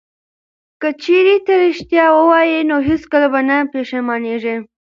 که چیرې ته ریښتیا ووایې نو هیڅکله به نه پښیمانیږې.